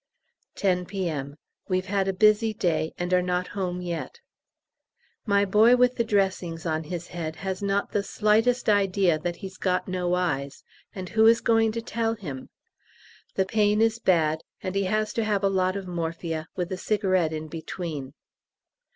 10 P.M. We've had a busy day, and are not home yet. My boy with the dressings on his head has not the slightest idea that he's got no eyes, and who is going to tell him? The pain is bad, and he has to have a lot of morphia, with a cigarette in between.